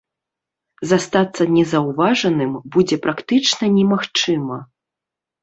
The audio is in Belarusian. Застацца незаўважаным будзе практычна немагчыма.